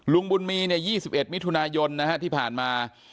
ลุงบุญมี๒๑มิถุนายนที่ผ่านมา